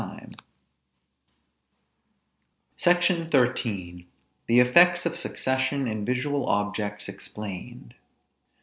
SECTION XIII. THE EFFECTS OF SUCCESSION IN VISUAL OBJECTS EXPLAINED.